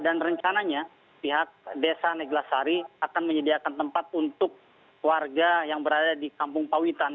dan rencananya pihak desa neglasari akan menyediakan tempat untuk warga yang berada di kampung pawitan